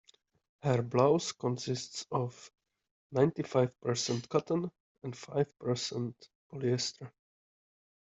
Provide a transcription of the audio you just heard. Her blouse consists of ninety-five percent cotton and five percent polyester.